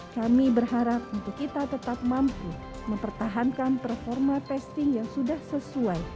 kami berharap untuk kita tetap mampu mempertahankan performa testing yang sudah sesuai